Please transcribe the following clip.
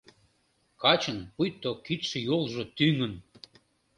Качын пуйто кидше-йолжо тӱҥын